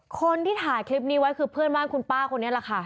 คนที่ถ่ายคลิปนี้ไว้คือเพื่อนบ้านคุณป้าคนนี้แหละค่ะ